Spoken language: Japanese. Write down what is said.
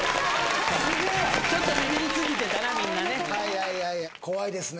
ちょっとビビりすぎてたなみんなね怖いですね